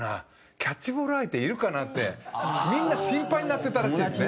キャッチボール相手いるかな？ってみんな心配になってたらしいんです。